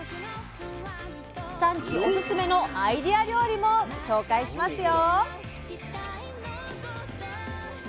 産地オススメのアイデア料理も紹介しますよ！